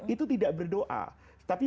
itu tidak berdoa tapi